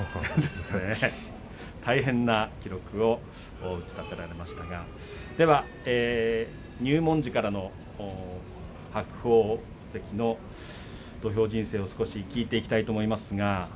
大変な記録を打ち立てられましたが入門時からの白鵬関の土俵人生を少し聞いていきたいと思います。